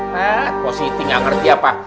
pak siti gak ngerti apa